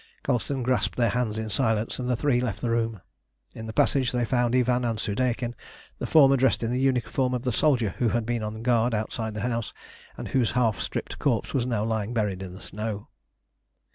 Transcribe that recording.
Colston grasped their hands in silence, and the three left the room. In the passage they found Ivan and Soudeikin, the former dressed in the uniform of the soldier who had been on guard outside the house, and whose half stripped corpse was now lying buried in the snow.